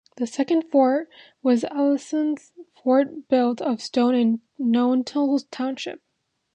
The second fort was Ellison's Fort built of stone in Knowlton Township.